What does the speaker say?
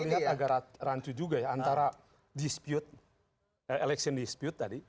saya melihat agar rancu juga ya antara dispute election dispute tadi